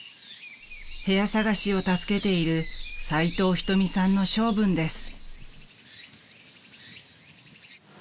［部屋探しを助けている齋藤瞳さんの性分です］